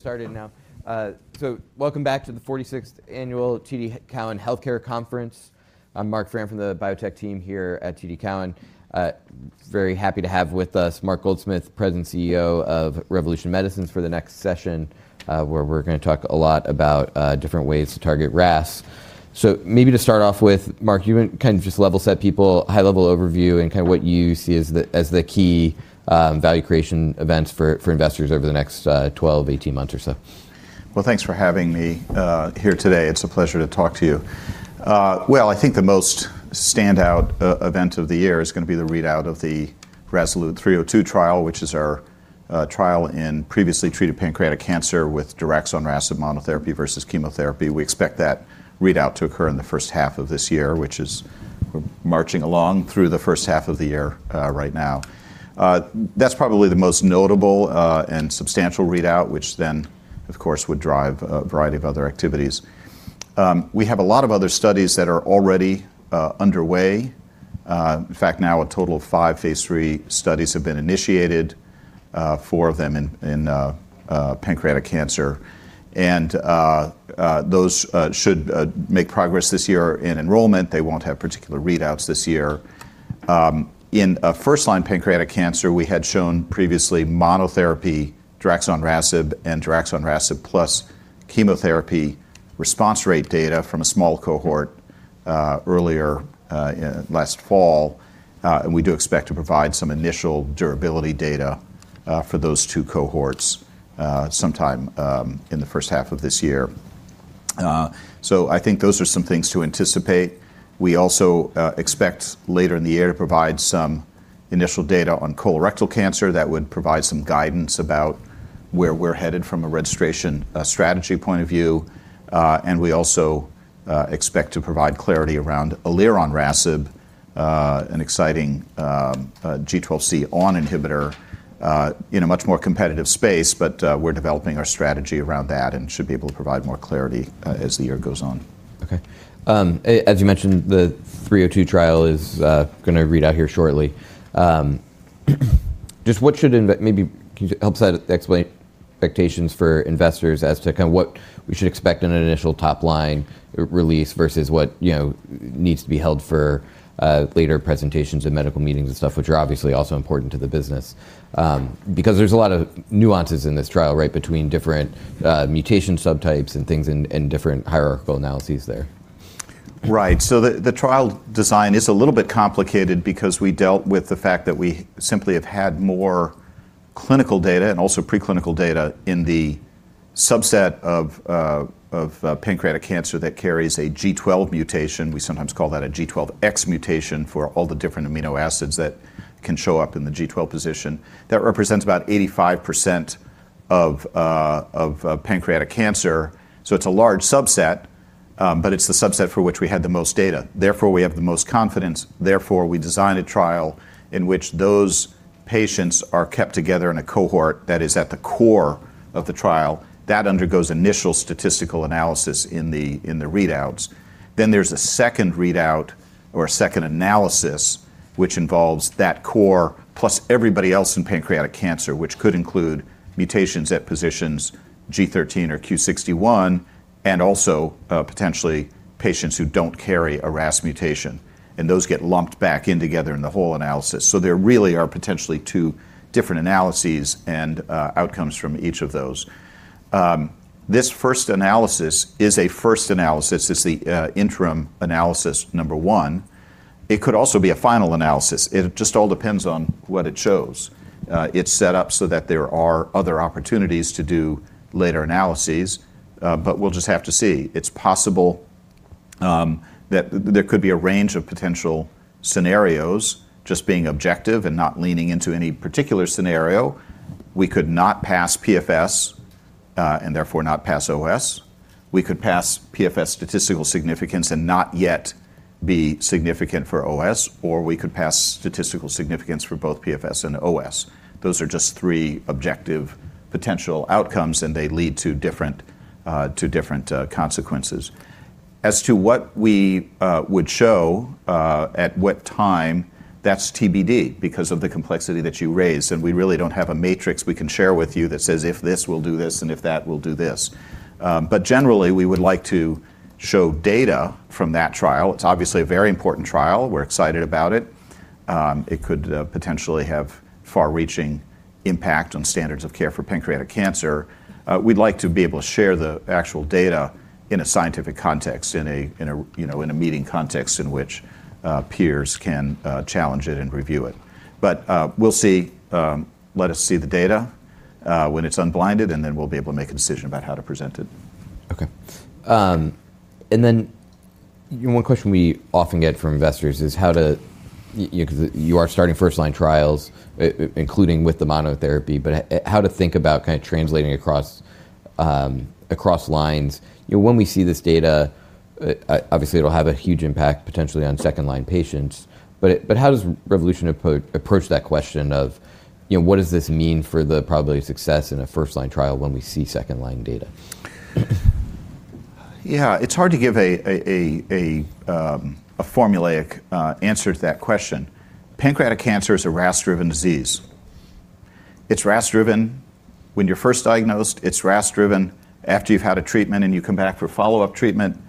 Started now. Welcome back to the 46th annual TD Cowen Healthcare Conference. I'm Marc Frahm from the biotech team here at TD Cowen. Very happy to have with us Mark Goldsmith, President and Chief Executive Officer of Revolution Medicines for the next session, where we're gonna talk a lot about different ways to target RAS. Maybe to start off with, Mark, you can kind of just level set people, high level overview and kind of what you see as the key value creation events for investors over the next 12-18 months or so. Well, thanks for having me here today. It's a pleasure to talk to you. Well, I think the most standout event of the year is gonna be the readout of the RASolute 302 trial, which is our trial in previously treated pancreatic cancer with daraxonrasib monotherapy versus chemotherapy. We expect that readout to occur in the first half of this year, which is marching along through the first half of the year right now. That's probably the most notable and substantial readout, which then of course would drive a variety of other activities. We have a lot of other studies that are already underway. In fact, now a total of five phase III studies have been initiated, four of them in pancreatic cancer and those should make progress this year in enrollment. They won't have particular readouts this year. In first-line pancreatic cancer, we had shown previously monotherapy daraxonrasib and daraxonrasib plus chemotherapy response rate data from a small cohort earlier last fall, and we do expect to provide some initial durability data for those two cohorts sometime in the first half of this year. I think those are some things to anticipate. We also expect later in the year to provide some initial data on colorectal cancer that would provide some guidance about where we're headed from a registration strategy point of view. We also expect to provide clarity around elironrasib, an exciting G12C (ON) inhibitor, in a much more competitive space, but we're developing our strategy around that and should be able to provide more clarity as the year goes on. As you mentioned, the RASolute 302 trial is gonna read out here shortly. Just what should maybe can you help set, explain expectations for investors as to kind of what we should expect in an initial top line release versus what, you know, needs to be held for later presentations and medical meetings and stuff, which are obviously also important to the business? There's a lot of nuances in this trial, right, between different mutation subtypes and things in different hierarchical analyses there. Right. The trial design is a little bit complicated because we dealt with the fact that we simply have had more clinical data and also preclinical data in the subset of pancreatic cancer that carries a G12 mutation. We sometimes call that a G12X mutation for all the different amino acids that can show up in the G12 position. That represents about 85% of pancreatic cancer, so it's a large subset, but it's the subset for which we had the most data. Therefore, we have the most confidence, therefore we designed a trial in which those patients are kept together in a cohort that is at the core of the trial. That undergoes initial statistical analysis in the readouts. There's a second readout or a second analysis which involves that core plus everybody else in pancreatic cancer, which could include mutations at positions G13 or Q61, and also, potentially patients who don't carry a RAS mutation, and those get lumped back in together in the whole analysis. There really are potentially two different analyses and outcomes from each of those. This first analysis is a first analysis. It's the interim analysis number one. It could also be a final analysis. It just all depends on what it shows. It's set up so that there are other opportunities to do later analyses, but we'll just have to see. It's possible that there could be a range of potential scenarios just being objective and not leaning into any particular scenario. We could not pass PFS and therefore not pass OS. We could pass PFS statistical significance and not yet be significant for OS, or we could pass statistical significance for both PFS and OS. Those are just three objective potential outcomes, and they lead to different, to different consequences. As to what we would show at what time, that's TBD because of the complexity that you raised, and we really don't have a matrix we can share with you that says if this, we'll do this, and if that, we'll do this. Generally, we would like to show data from that trial. It's obviously a very important trial. We're excited about it. It could potentially have far-reaching impact on standards of care for pancreatic cancer. We'd like to be able to share the actual data in a scientific context, in a, you know, in a meeting context in which peers can challenge it and review it. We'll see. Let us see the data when it's unblinded, and then we'll be able to make a decision about how to present it. One question we often get from investors is how to, you are starting first line trials including with the monotherapy, but how to think about kind of translating across lines. When we see this data, obviously it'll have a huge impact potentially on second line patients, how does Revolution approach that question of, you know, what does this mean for the probability of success in a first line trial when we see second line data? Yeah, it's hard to give a formulaic answer to that question. Pancreatic cancer is a RAS driven disease. It's RAS driven when you're first diagnosed, it's RAS driven after you've had a treatment and you come back for follow-up treatment,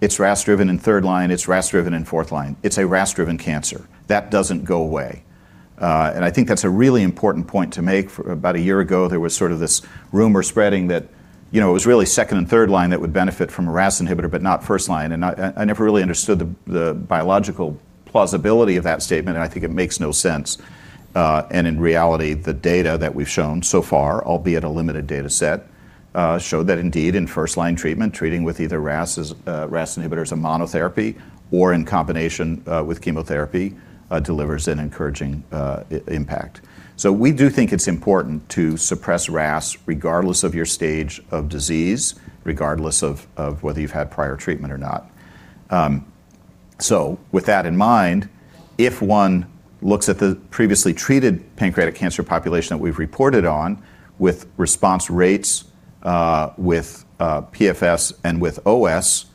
it's RAS driven in third line, it's RAS driven in fourth line. It's a RAS driven cancer. That doesn't go away. And I think that's a really important point to make. For about one year ago, there was sort of this rumor spreading that, you know, it was really second and third line that would benefit from a RAS inhibitor, but not first line. I never really understood the biological plausibility of that statement, and I think it makes no sense. In reality, the data that we've shown so far, albeit a limited data set, show that indeed in first-line treatment, treating with either RAS inhibitors or monotherapy or in combination with chemotherapy, delivers an encouraging impact. We do think it's important to suppress RAS regardless of your stage of disease, regardless of whether you've had prior treatment or not. With that in mind, if one looks at the previously treated pancreatic cancer population that we've reported on with response rates, with PFS and with OS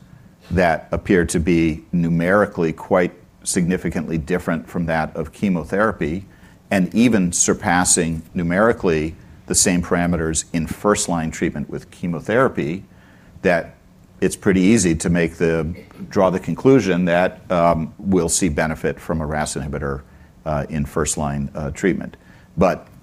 that appear to be numerically quite significantly different from that of chemotherapy and even surpassing numerically the same parameters in first line treatment with chemotherapy, that it's pretty easy to make the draw the conclusion that we'll see benefit from a RAS inhibitor in first line treatment.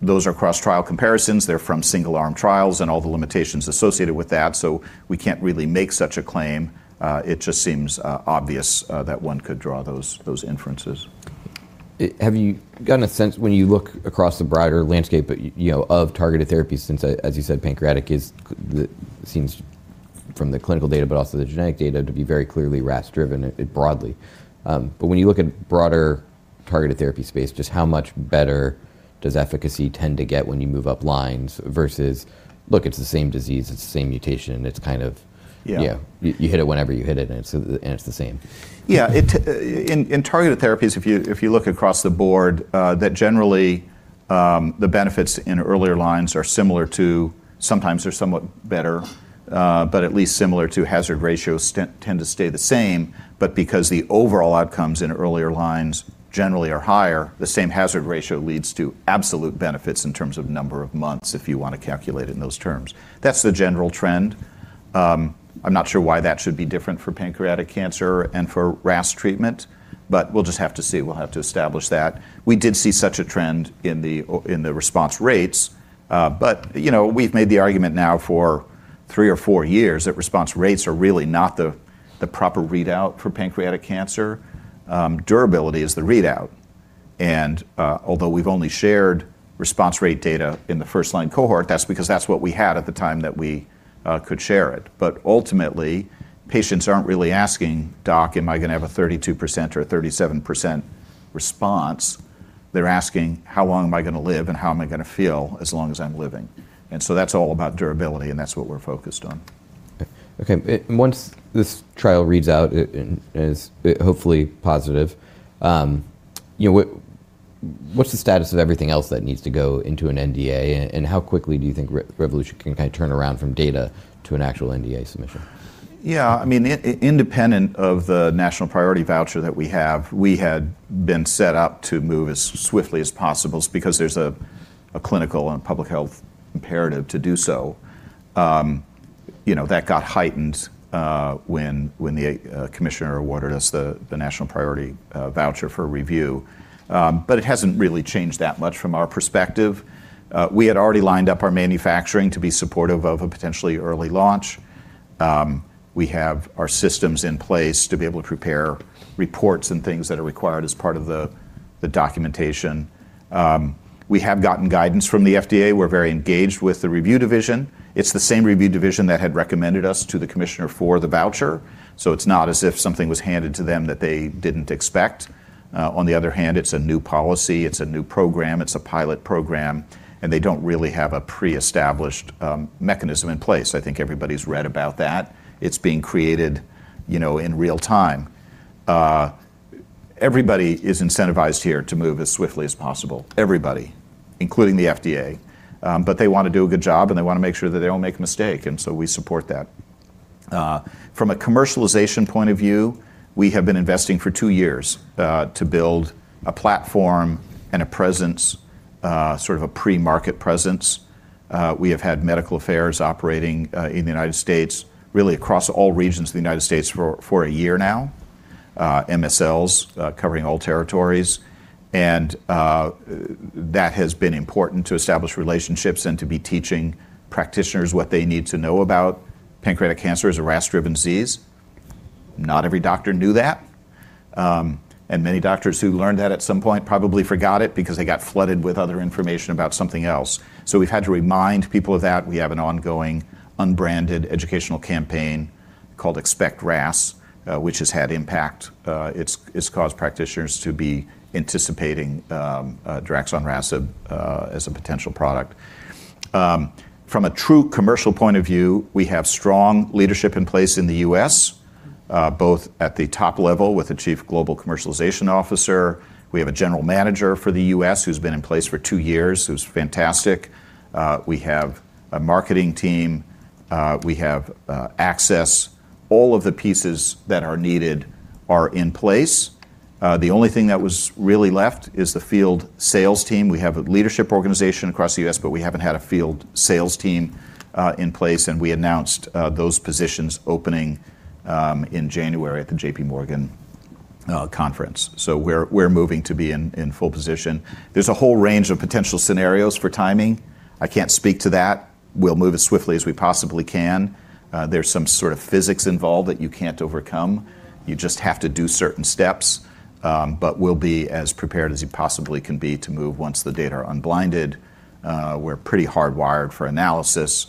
Those are cross-trial comparisons. They're from single arm trials and all the limitations associated with that, so we can't really make such a claim. It just seems obvious that one could draw those inferences. Have you gotten a sense when you look across the broader landscape, you know, of targeted therapies since, as you said, pancreatic is the seems from the clinical data, but also the genetic data to be very clearly RAS driven broadly. But when you look at broader targeted therapy space, just how much better does efficacy tend to get when you move up lines versus, look, it's the same disease, it's the same mutation, it's kind of? Yeah. Yeah. You hit it whenever you hit it, and it's the same. Yeah. It, in targeted therapies, if you, if you look across the board, that generally, the benefits in earlier lines are similar to sometimes they're somewhat better, but at least similar to hazard ratios tend to stay the same. Because the overall outcomes in earlier lines generally are higher, the same hazard ratio leads to absolute benefits in terms of number of months, if you want to calculate in those terms. That's the general trend. I'm not sure why that should be different for pancreatic cancer and for RAS treatment, but we'll just have to see. We'll have to establish that. We did see such a trend in the, in the response rates. You know, we've made the argument now for three or four years that response rates are really not the proper readout for pancreatic cancer. Durability is the readout. Although we've only shared response rate data in the first line cohort, that's because that's what we had at the time that we could share it. Ultimately, patients aren't really asking, "Doc, am I gonna have a 32% or a 37% response?" They're asking, "How long am I gonna live and how am I gonna feel as long as I'm living?" That's all about durability, and that's what we're focused on. Okay. Once this trial reads out and is hopefully positive, you know, what's the status of everything else that needs to go into an NDA, and how quickly do you think Revolution can kinda turn around from data to an actual NDA submission? I mean, independent of the Commissioner's National Priority Voucher that we have, we had been set up to move as swiftly as possible because there's a clinical and public health imperative to do so. you know, that got heightened when the Commissioner awarded us the National Priority Voucher for review. It hasn't really changed that much from our perspective. We had already lined up our manufacturing to be supportive of a potentially early launch. We have our systems in place to be able to prepare reports and things that are required as part of the documentation. We have gotten guidance from the FDA. We're very engaged with the review division. It's the same review division that had recommended us to the Commissioner for the voucher, it's not as if something was handed to them that they didn't expect. On the other hand, it's a new policy, it's a new program, it's a pilot program, they don't really have a pre-established mechanism in place. I think everybody's read about that. It's being created, you know, in real time. Everybody is incentivized here to move as swiftly as possible. Everybody, including the FDA. They wanna do a good job, they wanna make sure that they don't make a mistake, we support that. From a commercialization point of view, we have been investing for two years to build a platform and a presence, sort of a pre-market presence. We have had medical affairs operating in the United States, really across all regions of the United States for a year now, MSLs covering all territories. That has been important to establish relationships and to be teaching practitioners what they need to know about pancreatic cancer as a RAS-driven disease. Not every doctor knew that. Many doctors who learned that at some point probably forgot it because they got flooded with other information about something else. We've had to remind people of that. We have an ongoing unbranded educational campaign called Expect RAS, which has had impact. It's caused practitioners to be anticipating daraxonrasib as a potential product. From a true commercial point of view, we have strong leadership in place in the U.S., both at the top level with the chief global commercialization officer. We have a general manager for the U.S., who's been in place for two years, who's fantastic. We have a marketing team. We have access. All of the pieces that are needed are in place. The only thing that was really left is the field sales team. We have a leadership organization across the U.S., but we haven't had a field sales team in place. We announced those positions opening in January at the JPMorgan conference. We're moving to be in full position. There's a whole range of potential scenarios for timing. I can't speak to that. We'll move as swiftly as we possibly can. There's some sort of physics involved that you can't overcome. You just have to do certain steps, but we'll be as prepared as you possibly can be to move once the data are unblinded. We're pretty hardwired for analysis,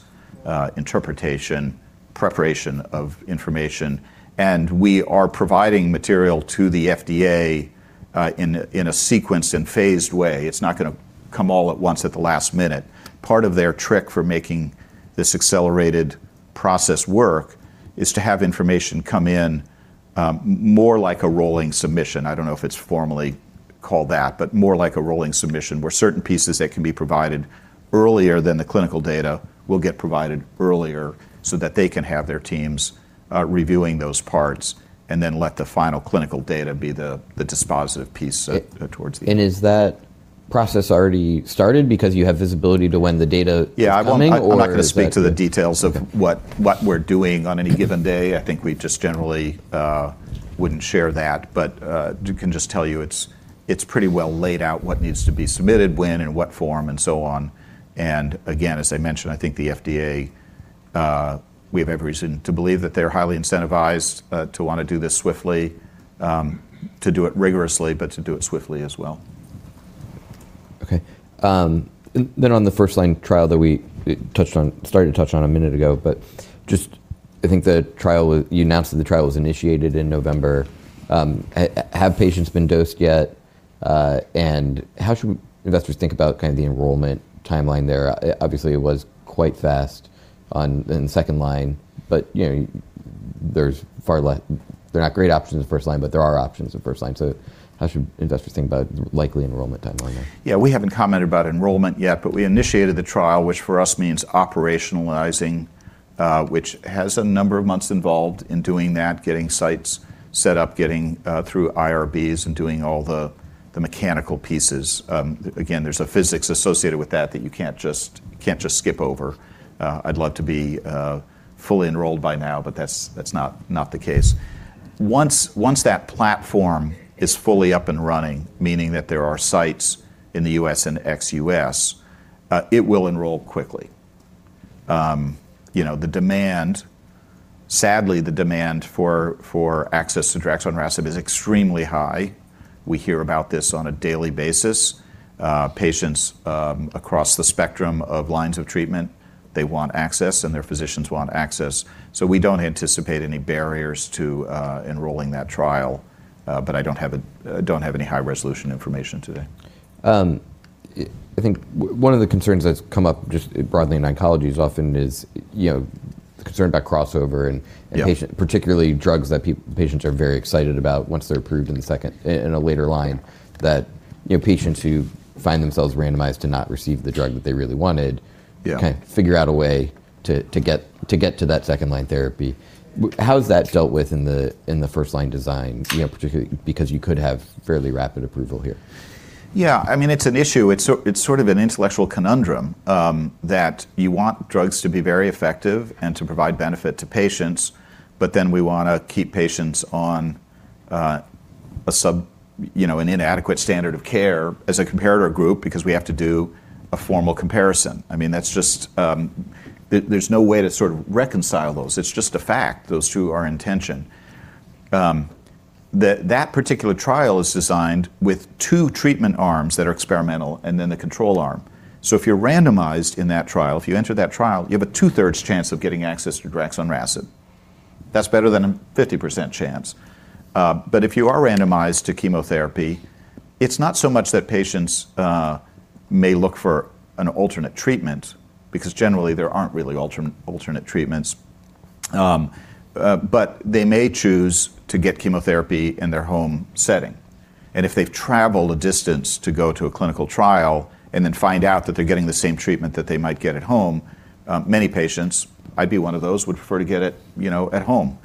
interpretation, preparation of information, and we are providing material to the FDA in a sequenced and phased way. It's not gonna come all at once at the last minute. Part of their trick for making this accelerated process work is to have information come in more like a rolling submission. I don't know if it's formally called that, but more like a rolling submission, where certain pieces that can be provided earlier than the clinical data will get provided earlier so that they can have their teams reviewing those parts and then let the final clinical data be the dispositive piece towards the end. Is that process already started because you have visibility to when the data is coming or is that- Yeah, I'm not gonna speak to the details of- Okay.... what we're doing on any given day. I think we just generally wouldn't share that. Can just tell you it's pretty well laid out, what needs to be submitted, when, in what form, and so on. Again, as I mentioned, I think the FDA, we have every reason to believe that they're highly incentivized to wanna do this swiftly, to do it rigorously, but to do it swiftly as well. Okay. On the first-line trial that we started to touch on a minute ago, just I think you announced that the trial was initiated in November. Have patients been dosed yet? How should investors think about kind of the enrollment timeline there? Obviously it was quite fast in second line, you know, there's far they're not great options in first line, there are options in first line. How should investors think about likely enrollment timeline there? Yeah, we haven't commented about enrollment yet, but we initiated the trial, which for us means operationalizing, which has a number of months involved in doing that, getting sites set up, getting through IRBs, and doing all the mechanical pieces. Again, there's a physics associated with that that you can't just skip over. I'd love to be fully enrolled by now, but that's not the case. Once that platform is fully up and running, meaning that there are sites in the U.S. and ex-U.S., it will enroll quickly. You know, sadly, the demand for access to daraxonrasib is extremely high. We hear about this on a daily basis. Patients, across the spectrum of lines of treatment, they want access, and their physicians want access. We don't anticipate any barriers to enrolling that trial. I don't have any high-resolution information today. I think one of the concerns that's come up just broadly in oncology is often is, you know, concern about crossover and- Yeah. And patient, particularly drugs that patients are very excited about once they're approved in a later line that, you know, patients who find themselves randomized to not receive the drug that they really wanted. Yeah. Kind of figure out a way to get to that second line therapy. How is that dealt with in the first line design, you know, particularly because you could have fairly rapid approval here? I mean, it's an issue. It's sort of an intellectual conundrum that you want drugs to be very effective and to provide benefit to patients, we wanna keep patients on, you know, an inadequate standard of care as a comparator group because we have to do a formal comparison. I mean, that's just, there's no way to sort of reconcile those. It's just a fact, those two are in tension. The, that particular trial is designed with two treatment arms that are experimental and then the control arm. If you're randomized in that trial, if you enter that trial, you have a 2/3 chance of getting access to daraxonrasib. That's better than a 50% chance. If you are randomized to chemotherapy, it's not so much that patients may look for an alternate treatment because generally there aren't really alternate treatments, but they may choose to get chemotherapy in their home setting. If they've traveled a distance to go to a clinical trial and then find out that they're getting the same treatment that they might get at home, many patients, I'd be one of those, would prefer to get it, you know, at home.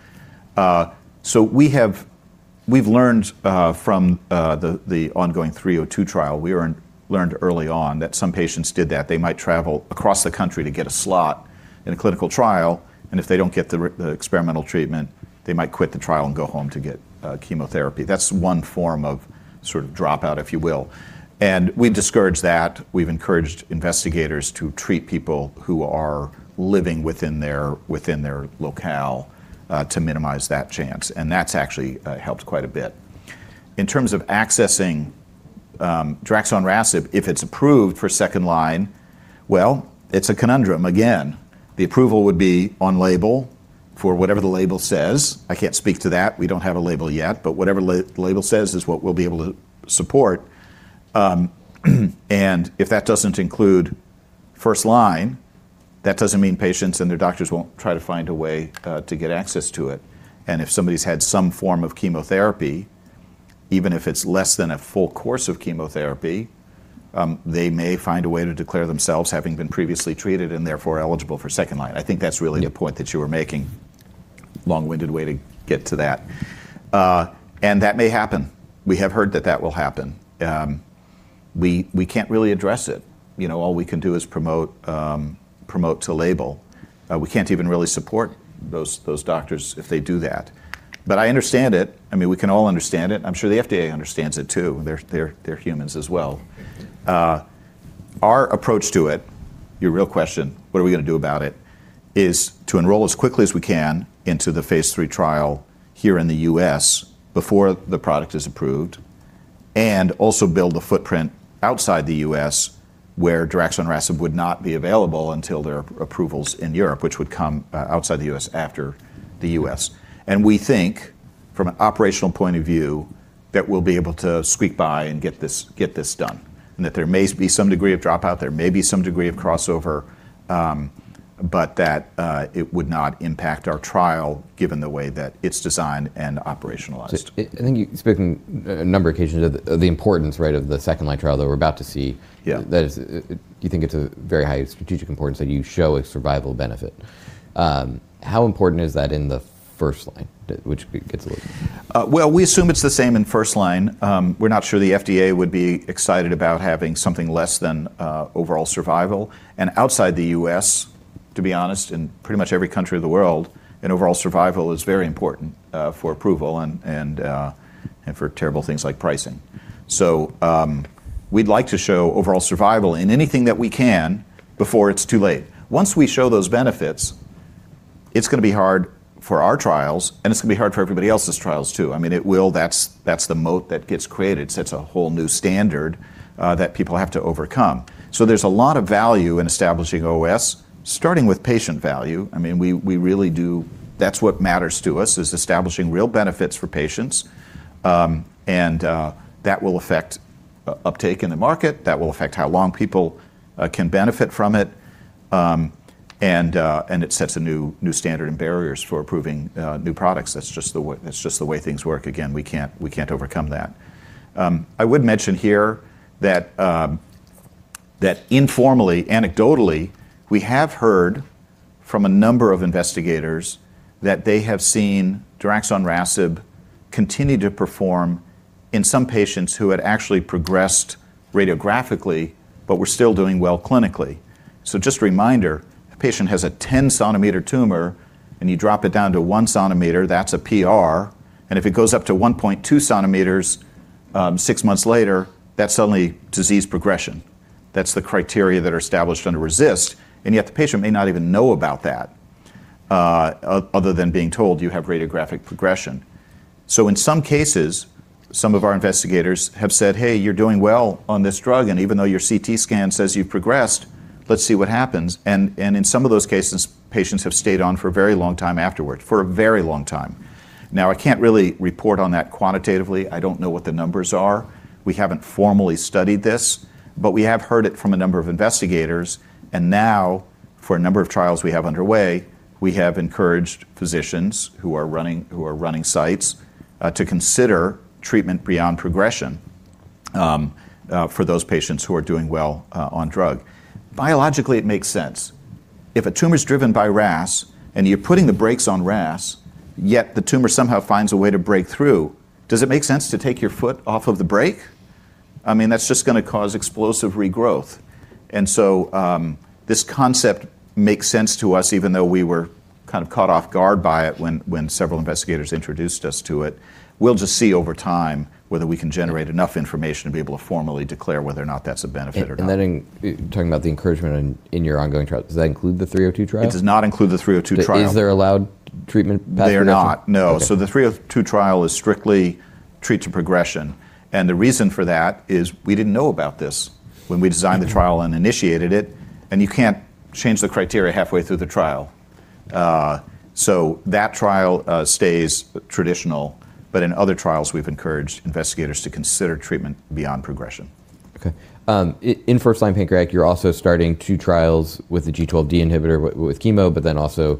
We've learned from the ongoing RASolute 302 trial. We learned early on that some patients did that. They might travel across the country to get a slot in a clinical trial, and if they don't get the experimental treatment, they might quit the trial and go home to get chemotherapy. That's one form of sort of dropout, if you will. We discourage that. We've encouraged investigators to treat people who are living within their locale, to minimize that chance, and that's actually helped quite a bit. In terms of accessing daraxonrasib if it's approved for second line, well, it's a conundrum. The approval would be on label for whatever the label says. I can't speak to that. We don't have a label yet, but whatever label says is what we'll be able to support. If that doesn't include first line, that doesn't mean patients and their doctors won't try to find a way to get access to it. If somebody's had some form of chemotherapy, even if it's less than a full course of chemotherapy. They may find a way to declare themselves having been previously treated and therefore eligible for second line. I think that's really the point that you were making. Long-winded way to get to that. That may happen. We have heard that that will happen. We can't really address it. You know, all we can do is promote to label. We can't even really support those doctors if they do that. I understand it. I mean, we can all understand it. I'm sure the FDA understands it too. They're humans as well. Our approach to it, your real question, what are we gonna do about it, is to enroll as quickly as we can into the phase III trial here in the U.S. before the product is approved, and also build a footprint outside the U.S. where daraxonrasib would not be available until their approvals in Europe, which would come outside the U.S., after the U.S. We think from an operational point of view that we'll be able to squeak by and get this done, and that there may be some degree of dropout, there may be some degree of crossover, but that it would not impact our trial given the way that it's designed and operationalized. Just I think you've spoken a number of occasions of the importance, right, of the second line trial that we're about to see. Yeah. That is, you think it's a very high strategic importance that you show a survival benefit. How important is that in the first line? Well, we assume it's the same in first line. We're not sure the FDA would be excited about having something less than overall survival. Outside the U.S., to be honest, in pretty much every country of the world, an overall survival is very important for approval and for terrible things like pricing. We'd like to show overall survival in anything that we can before it's too late. Once we show those benefits, it's gonna be hard for our trials and it's gonna be hard for everybody else's trials, too. I mean, it will. That's the moat that gets created, sets a whole new standard that people have to overcome. There's a lot of value in establishing OS, starting with patient value. I mean, we really do. That's what matters to us, is establishing real benefits for patients. That will affect uptake in the market, that will affect how long people can benefit from it, and it sets a new standard and barriers for approving new products. That's just the way things work. Again, we can't overcome that. I would mention here that informally, anecdotally, we have heard from a number of investigators that they have seen daraxonrasib continue to perform in some patients who had actually progressed radiographically but were still doing well clinically. Just a reminder, a patient has a 10 cm tumor, and you drop it down to 1 cm, that's a PR, and if it goes up to 1.2 cms six months later, that's suddenly disease progression. That's the criteria that are established under RECIST, yet the patient may not even know about that, other than being told, "You have radiographic progression." In some cases, some of our investigators have said, "Hey, you're doing well on this drug, and even though your CT scan says you've progressed, let's see what happens." In some of those cases, patients have stayed on for a very long time afterward. For a very long time. Now, I can't really report on that quantitatively. I don't know what the numbers are. We haven't formally studied this, but we have heard it from a number of investigators. Now, for a number of trials we have underway, we have encouraged physicians who are running sites, to consider treatment beyond progression, for those patients who are doing well, on drug. Biologically, it makes sense. If a tumor's driven by RAS, and you're putting the brakes on RAS, yet the tumor somehow finds a way to break through, does it make sense to take your foot off of the brake? I mean, that's just gonna cause explosive regrowth. This concept makes sense to us, even though we were kind of caught off guard by it when several investigators introduced us to it. We'll just see over time whether we can generate enough information to be able to formally declare whether or not that's a benefit or not. In, talking about the encouragement in your ongoing trial, does that include the 302 trial? It does not include the 302 trial. Is there allowed treatment path reduction? They are not, no. Okay. The 302 trial is strictly treat-to-progression, and the reason for that is we didn't know about this when we designed the trial and initiated it, and you can't change the criteria halfway through the trial. That trial stays traditional, but in other trials, we've encouraged investigators to consider treatment beyond progression. Okay. In first-line pancreatic, you're also starting two trials with the G12D inhibitor with chemo, but then also.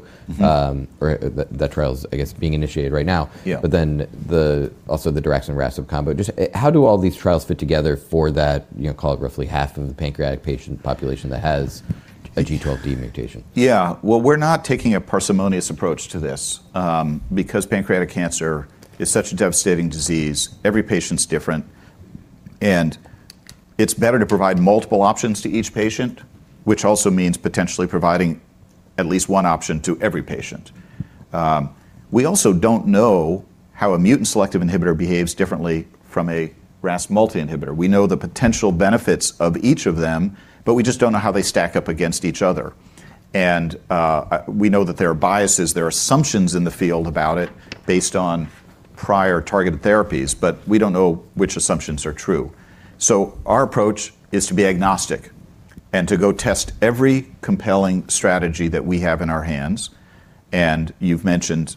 That trial's, I guess, being initiated right now. Yeah. the, also the daraxonrasib combo. Just, how do all these trials fit together for that, you know, call it roughly half of the pancreatic patient population that has a G12D mutation? Yeah. Well, we're not taking a parsimonious approach to this. Because pancreatic cancer is such a devastating disease, every patient's different, and it's better to provide multiple options to each patient, which also means potentially providing at least one option to every patient. We also don't know how a mutant selective inhibitor behaves differently from a RAS multi-inhibitor. We know the potential benefits of each of them, but we just don't know how they stack up against each other. We know that there are biases, there are assumptions in the field about it based on prior targeted therapies, but we don't know which assumptions are true. Our approach is to be agnostic and to go test every compelling strategy that we have in our hands, and you've mentioned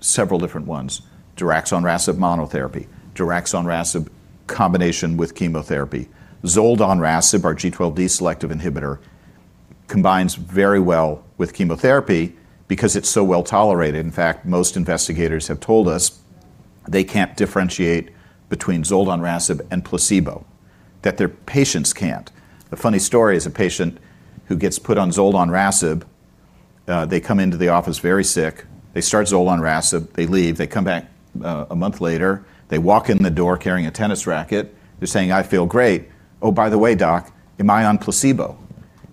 several different ones: daraxonrasib monotherapy, daraxonrasib combination with chemotherapy, zoldonrasib, our G12D selective inhibitor. Combines very well with chemotherapy because it's so well-tolerated. In fact, most investigators have told us they can't differentiate between zoldonrasib and placebo, that their patients can't. The funny story is a patient who gets put on zoldonrasib, they come into the office very sick. They start zoldonrasib. They leave. They come back a month later. They walk in the door carrying a tennis racket. They're saying, "I feel great. Oh, by the way, Doc, am I on placebo?"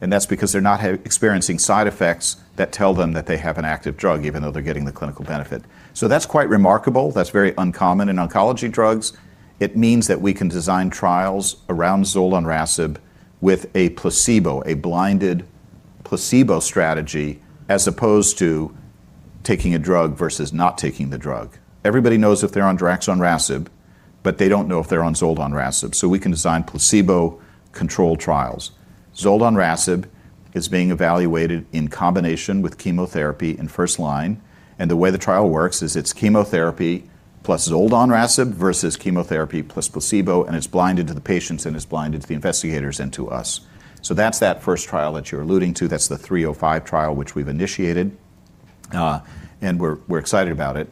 That's because they're not experiencing side effects that tell them that they have an active drug even though they're getting the clinical benefit. That's quite remarkable. That's very uncommon in oncology drugs. It means that we can design trials around zoldonrasib with a placebo, a blinded placebo strategy as opposed to taking a drug versus not taking the drug. Everybody knows if they're on daraxonrasib, but they don't know if they're on zoldonrasib, so we can design placebo-controlled trials. Zoldonrasib is being evaluated in combination with chemotherapy in first line, and the way the trial works is it's chemotherapy plus zoldonrasib versus chemotherapy plus placebo, and it's blinded to the patients, and it's blinded to the investigators and to us. That's that first trial that you're alluding to. That's the RATIONALE 305 trial which we've initiated, and we're excited about it.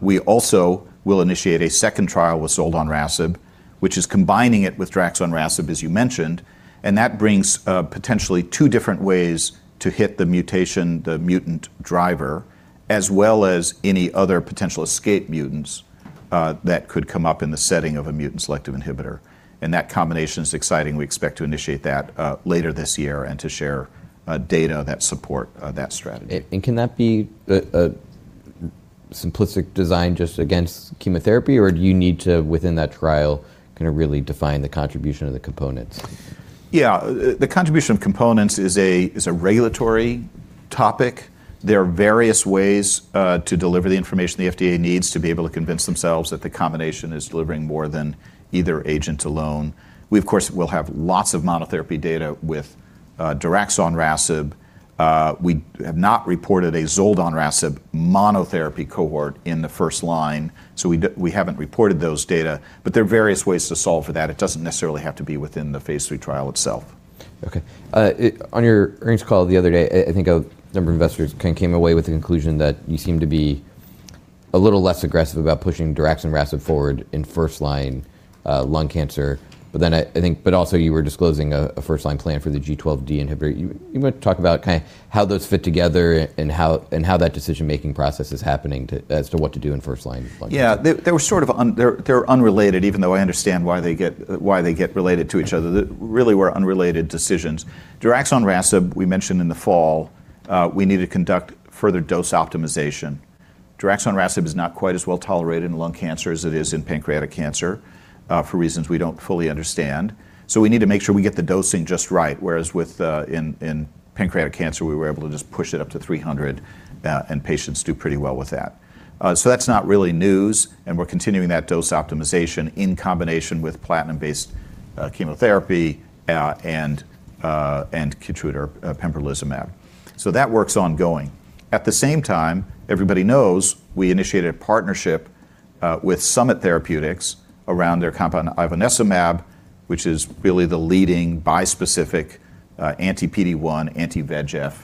We also will initiate a second trial with zoldonrasib which is combining it with daraxonrasib as you mentioned, and that brings potentially two different ways to hit the mutation, the mutant driver as well as any other potential escape mutants that could come up in the setting of a mutant selective inhibitor, and that combination's exciting. We expect to initiate that later this year and to share data that support that strategy. Can that be a simplistic design just against chemotherapy, or do you need to, within that trial, gonna really define the contribution of the components? Yeah. The contribution of components is a regulatory topic. There are various ways to deliver the information the FDA needs to be able to convince themselves that the combination is delivering more than either agent alone. We of course will have lots of monotherapy data with daraxonrasib. We have not reported a zoldonrasib monotherapy cohort in the first line, so we haven't reported those data. There are various ways to solve for that. It doesn't necessarily have to be within the phase III trial itself. Okay. On your earnings call the other day, I think a number of investors kind of came away with the conclusion that you seem to be a little less aggressive about pushing daraxonrasib forward in first-line lung cancer. I think, but also you were disclosing a first-line plan for the G12D inhibitor. You wanna talk about kinda how those fit together and how that decision-making process is happening as to what to do in first-line lung cancer? Yeah. They're unrelated even though I understand why they get, why they get related to each other. Really were unrelated decisions. daraxonrasib we mentioned in the fall, we need to conduct further dose optimization. daraxonrasib is not quite as well-tolerated in lung cancer as it is in pancreatic cancer, for reasons we don't fully understand. We need to make sure we get the dosing just right, whereas with the, in pancreatic cancer we were able to just push it up to 300, and patients do pretty well with that. That's not really news, and we're continuing that dose optimization in combination with platinum-based chemotherapy, and Keytruda, pembrolizumab. That work's ongoing. At the same time, everybody knows we initiated a partnership with Summit Therapeutics around their compound ivonescimab, which is really the leading bispecific anti-PD-1, anti-VEGF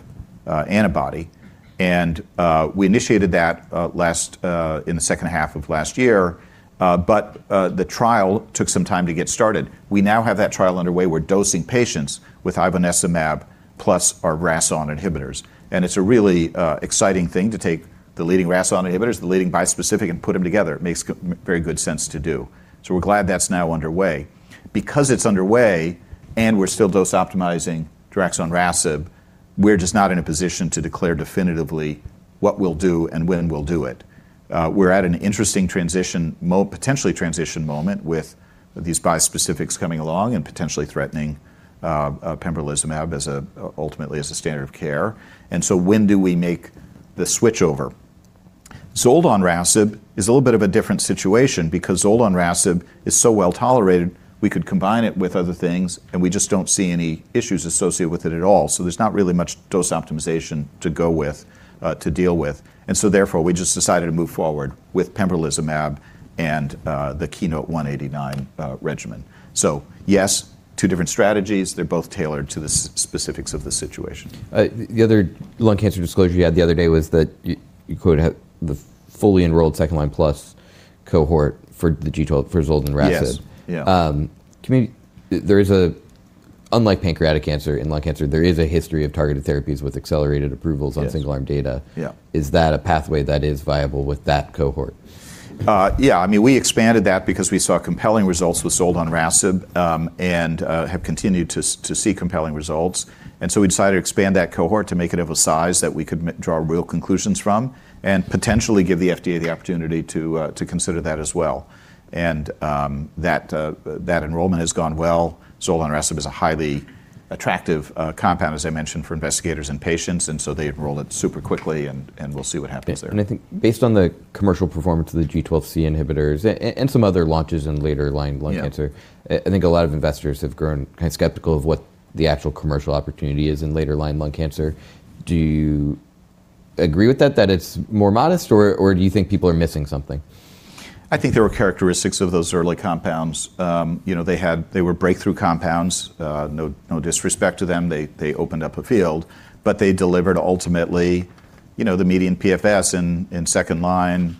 antibody. We initiated that last in the second half of last year, but the trial took some time to get started. We now have that trial underway. We're dosing patients with ivonescimab plus our RAS(ON) inhibitors, and it's a really exciting thing to take the leading RAS(ON) inhibitors, the leading bispecific, and put them together. It makes very good sense to do. We're glad that's now underway. It's underway and we're still dose optimizing daraxonrasib, we're just not in a position to declare definitively what we'll do and when we'll do it. We're at an interesting potentially transition moment with these bispecifics coming along and potentially threatening pembrolizumab as ultimately as a standard of care. When do we make the switchover? Zoldonrasib is a little bit of a different situation because zoldonrasib is so well-tolerated, we could combine it with other things, and we just don't see any issues associated with it at all. There's not really much dose optimization to go with, to deal with. We just decided to move forward with pembrolizumab and the KEYNOTE-189 regimen. Yes, two different strategies. They're both tailored to the specifics of the situation. The other lung cancer disclosure you had the other day was that you could have the fully enrolled second line plus cohort for the G12, for zoldonrasib. Yes. Yeah. There is a... Unlike pancreatic cancer, in lung cancer, there is a history of targeted therapies with accelerated approvals... Yes on single arm data. Yeah. Is that a pathway that is viable with that cohort? Yeah. I mean, we expanded that because we saw compelling results with zoldonrasib, and have continued to see compelling results. So we decided to expand that cohort to make it of a size that we could draw real conclusions from and potentially give the FDA the opportunity to consider that as well. That enrollment has gone well. Zoldonrasib is a highly attractive compound, as I mentioned, for investigators and patients, and we'll see what happens there. I think based on the commercial performance of the G12C inhibitors and some other launches in later line lung cancer. Yeah I think a lot of investors have grown kind of skeptical of what the actual commercial opportunity is in later line lung cancer. Do you agree with that it's more modest, or do you think people are missing something? I think there are characteristics of those early compounds. you know, they had, they were breakthrough compounds. no disrespect to them. They opened up a field, but they delivered ultimately, you know, the median PFS in second line,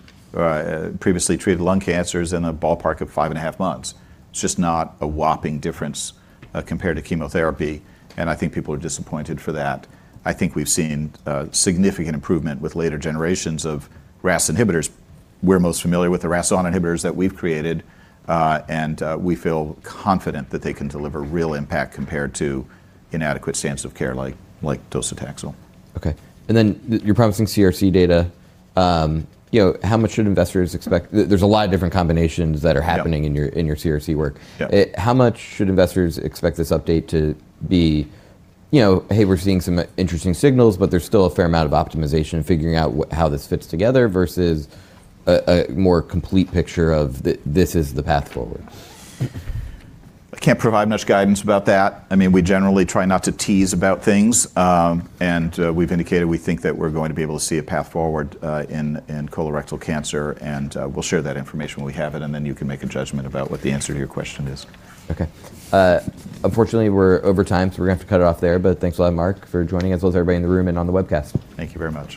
previously treated lung cancers in the ballpark of five and half months. It's just not a whopping difference, compared to chemotherapy, and I think people are disappointed for that. I think we've seen significant improvement with later generations of RAS inhibitors. We're most familiar with the RAS(ON) inhibitors that we've created, and we feel confident that they can deliver real impact compared to inadequate standards of care like docetaxel. Okay. you're promising CRC data. you know, how much should investors expect? There's a lot of different combinations that are happening. Yeah. In your CRC work. Yeah. How much should investors expect this update to be, you know, "Hey, we're seeing some interesting signals, but there's still a fair amount of optimization in figuring out how this fits together," versus a more complete picture of the, "This is the path forward"? I can't provide much guidance about that. I mean, we generally try not to tease about things. We've indicated we think that we're going to be able to see a path forward in colorectal cancer, we'll share that information when we have it, and then you can make a judgment about what the answer to your question is. Okay. Unfortunately, we're over time. We're gonna have to cut it off there. Thanks a lot, Mark, for joining us, as well as everybody in the room and on the webcast. Thank you very much.